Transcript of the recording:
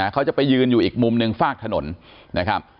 เขาจะไปยืนอยู่อีกมุมหนึ่งฝากถนนนะครับ